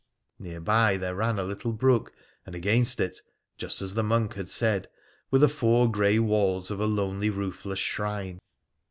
Near by there ran a little brook, and against it, just as the monk had said, were the four grey walls of a lonely roofless shrine.